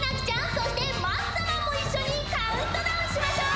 そしてマッサマンも一緒にカウントダウンしましょう。